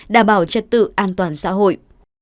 đảm bảo chất tự an toàn xã hội